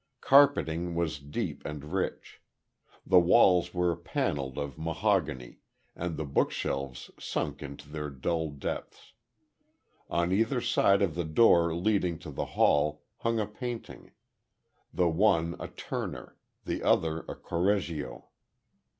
Carpeting was deep and rich. The walls were panelled of mahogany, and the bookshelves sunk into their dull depths. On either side of the door leading to the hall hung a painting, the one a Turner, the other a Corregio.